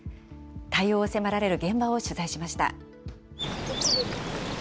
対応を迫られる現場を取材しました。